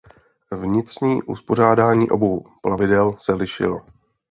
Vnitřní uspořádání obou plavidel se lišilo.